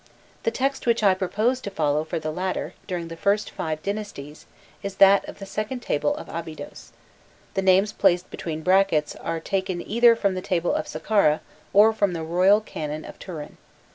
The text which I propose to follow for the latter, during the first five dynasties, is that of the second table of Abydos; the names placed between brackets [] are taken either from the table of Saqqara or from the Royal Canon of Turin.